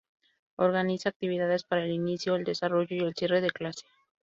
Organiza actividades para el inicio, el desarrollo y el cierre de la clase.